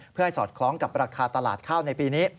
เพื่อให้สอดคล้องกับราคาตลาดข้าวในปีนี้